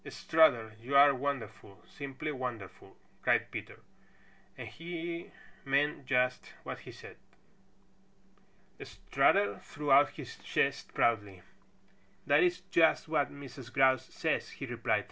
"Strutter, you are wonderful! simply wonderful!" cried Peter, and he meant just what he said. Strutter threw out his chest proudly. "That is just what Mrs. Grouse says," he replied.